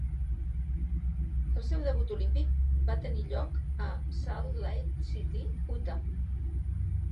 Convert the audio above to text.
El seu debut olímpic va tenir lloc a Salt Lake City, Utah.